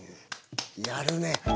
やるね。